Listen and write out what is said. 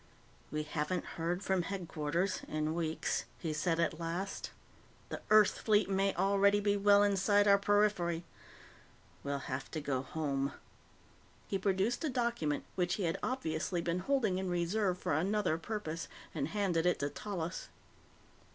"We haven't heard from Headquarters in weeks," he said at last. "The Earth fleet may already be well inside our periphery. We'll have to go home." He produced a document which he had obviously been holding in reserve for another purpose and handed it to Tallis.